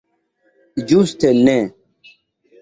Ĝuste ne!